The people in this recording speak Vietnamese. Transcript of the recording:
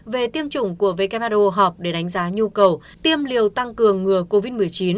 về tiêm chủng của who họp để đánh giá nhu cầu tiêm liều tăng cường ngừa covid một mươi chín